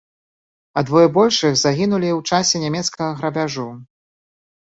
А двое большых загінулі ў часе нямецкага грабяжу.